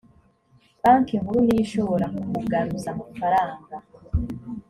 banki nkuru niyo ishobora kugaruza amafaranga